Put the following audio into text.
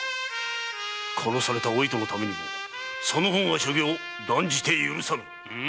殺されたお糸のためにもその方が所業断じて許さぬ。